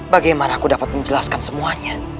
bagaimana aku dapat menjelaskan semuanya